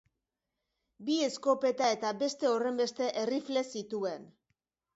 Bi eskopeta eta beste horrenbeste errifle zituen.